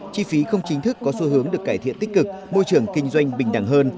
chi phí không chính thức có xu hướng được cải thiện tích cực môi trường kinh doanh bình đẳng hơn